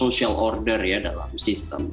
social order ya dalam sistem